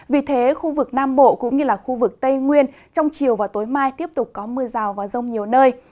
vì thế khu vực nam bộ cũng như là khu vực tây nguyên trong chiều và tối mai tiếp tục có mưa rào và rông nhiều nơi